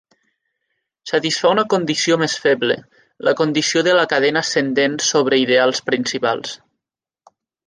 Satisfà una condició més feble: la condició de la cadena ascendent sobre ideals principals.